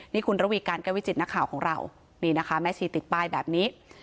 นี่คุณระวีการแก้ววิจิตนักข่าวของเรานี่นะคะแม่ชีติดป้ายแบบนี้